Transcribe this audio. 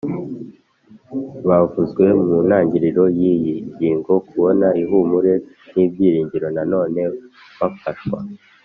bavuzwe mu ntangiriro y iyi ngingo kubona ihumure n ibyiringiro Nanone bafashwa